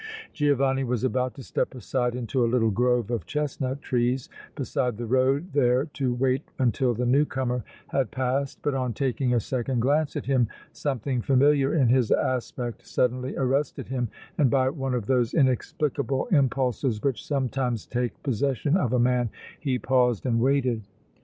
Giovanni was about to step aside into a little grove of chestnut trees beside the road there to wait until the new comer had passed, but on taking a second glance at him something familiar in his aspect suddenly arrested him, and by one of those inexplicable impulses which sometimes take possession of a man he paused and waited.